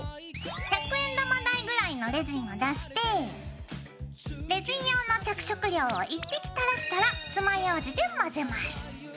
百円玉大ぐらいのレジンを出してレジン用の着色料を１滴たらしたら爪ようじで混ぜます。